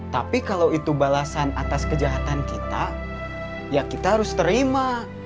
tapi kalau itu balasan atas kejahatan kita ya kita harus terima